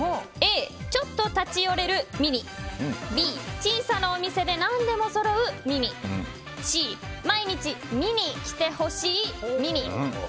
Ａ、ちょっと立ち寄れるミニＢ、小さなお店で何でもそろうミニＣ、毎日見にきてほしいミニ。